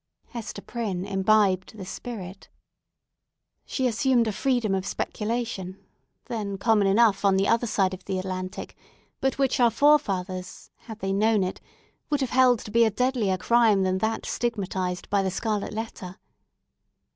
Hester Prynne imbibed this spirit. She assumed a freedom of speculation, then common enough on the other side of the Atlantic, but which our forefathers, had they known it, would have held to be a deadlier crime than that stigmatised by the scarlet letter.